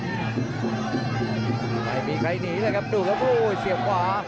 ไม่มีใครหนีเลยครับดูครับโอ้เสียบขวา